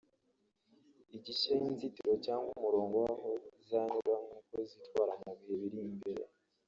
igashyiraho inzitiro cyangwa umurongo w’aho izanyura n’uko izitwara mu bihe biri imbere